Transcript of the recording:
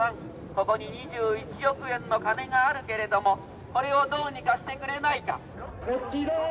ここに２１億円の金があるけれどもこれをどうにかしてくれないか。